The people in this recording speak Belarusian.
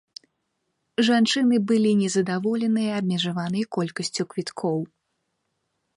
Жанчыны былі незадаволеныя абмежаванай колькасцю квіткоў.